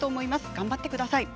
頑張ってください。